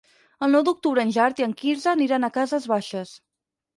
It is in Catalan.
El nou d'octubre en Gerard i en Quirze aniran a Cases Baixes.